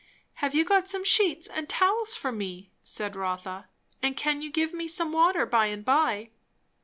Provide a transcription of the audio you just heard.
"Have you some sheets and towels for me?" said Rotha. "And can you give me some water by and by?"